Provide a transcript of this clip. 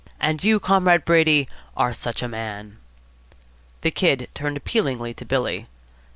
And you, Comrade Brady, are such a man." The Kid turned appealingly to Billy.